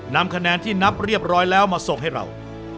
นำคะแนนที่นับเรียบร้อยแล้วมาส่งให้เรา